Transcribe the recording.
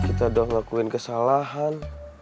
kita doang ngelakuin kesalahan